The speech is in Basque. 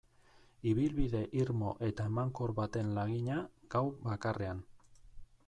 Ibilbide irmo eta emankor baten lagina, gau bakarrean.